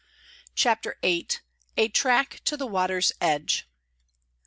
CHAPTER VIII " A TRACK TO THE WATER'S EDGE."